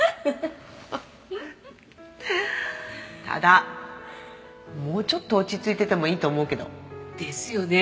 ただもうちょっと落ち着いててもいいと思うけど。ですよね！